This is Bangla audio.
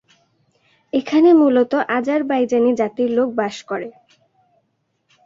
এখানে মূলত আজারবাইজানি জাতির লোক বাস করে।